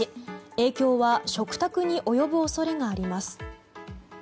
影響は食卓に及ぶ恐れがあります。